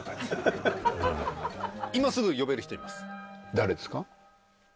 誰ですか？